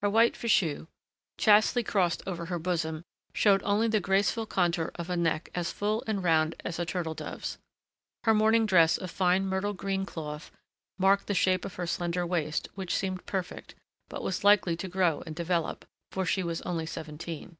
Her white fichu, chastely crossed over her bosom, showed only the graceful contour of a neck as full and round as a turtle dove's; her morning dress of fine myrtle green cloth marked the shape of her slender waist, which seemed perfect, but was likely to grow and develop, for she was only seventeen.